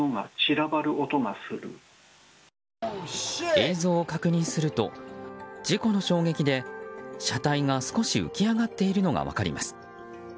映像を確認すると事故の衝撃で車体が少し浮き上がっているのが分かります。